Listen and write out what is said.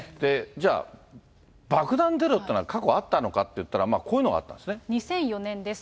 じゃあ、爆弾テロというのは、過去あったのかっていったら、こ２００４年です。